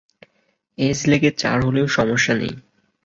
Age লেগে চার হলেও সমস্যা নেই।